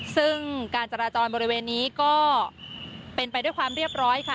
ซึ่งการจราจรบริเวณนี้ก็เป็นไปด้วยความเรียบร้อยค่ะ